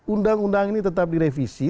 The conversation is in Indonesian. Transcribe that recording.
undang undang ini tetap direvisi